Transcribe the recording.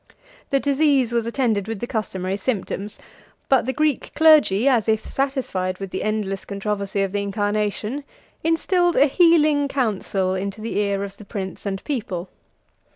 102 The disease was attended with the customary symptoms: but the Greek clergy, as if satiated with the endless controversy of the incarnation, instilled a healing counsel into the ear of the prince and people.